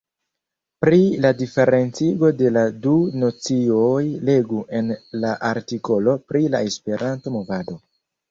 Pri la diferencigo de la du nocioj legu en la artikolo pri la Esperanto-movado.